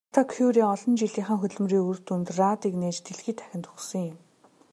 Хатагтай Кюре олон жилийнхээ хөдөлмөрийн үр дүнд радийг нээж дэлхий дахинд өгсөн юм.